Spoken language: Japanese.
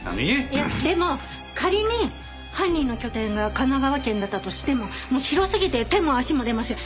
いやでも仮に犯人の拠点が神奈川県だったとしても広すぎて手も足も出ません。